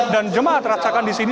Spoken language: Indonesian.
dan jemaah terasakan disini